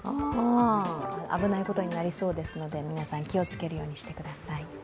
危ないことになりそうですので、皆さん気をつけるようにしてください。